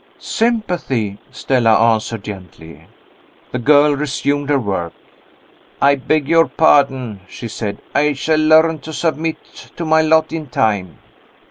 "Sympathy," Stella answered gently. The girl resumed her work. "I beg your pardon," she said; "I shall learn to submit to my lot in time."